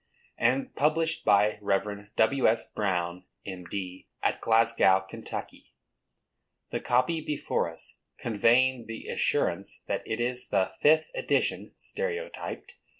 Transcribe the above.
and published by Rev. W. S. Brown, M.D., at Glasgow, Kentucky, the copy before us conveying the assurance that it is the "fifth edition—stereotyped."